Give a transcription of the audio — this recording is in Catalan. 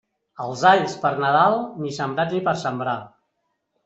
Els alls per Nadal, ni sembrats ni per sembrar.